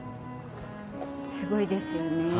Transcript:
すごいですよね。